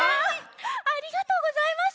ありがとうございます！